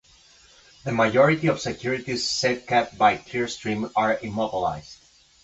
The majority of securities safekept by Clearstream are immobilised.